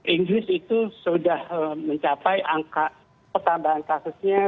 inggris itu sudah mencapai angka pertambahan kasusnya